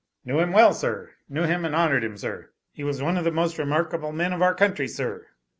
"Knew him, well, sir, knew him and honored him, sir. He was one of the most remarkable men of our country, sir.